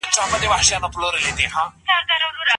د ډیپلوماسۍ له لاري د کار حقونه نه مراعات کیږي.